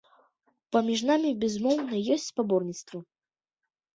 Паміж намі, безумоўна, ёсць спаборніцтва.